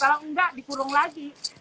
kalau tidak dikurung lagi